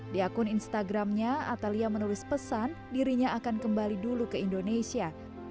di akun instagramnya atalia menulis pesan dirinya akan kembali dulu ke indonesia